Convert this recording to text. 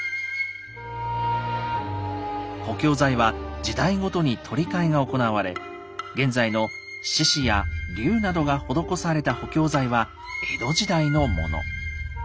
補強材は時代ごとに取り替えが行われ現在の獅子や龍などが施された補強材は江戸時代のもの。